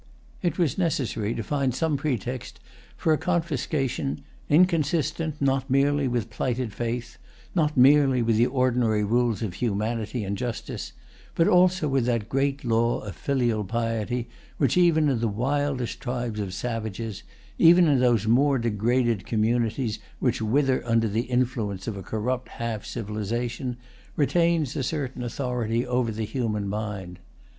It was necessary to find some pretext for a confiscation inconsistent, not merely with plighted faith, not merely with the ordinary rules of humanity and justice, but also with that great law of filial piety which, even in the wildest tribes of savages, even in those more degraded communities which wither under the influence of a corrupt half civilization, retains a certain authority over the human mind.